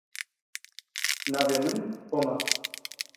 Navê min Tom e.